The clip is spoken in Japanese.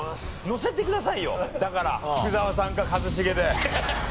のせてくださいよだから福澤さんか一茂で。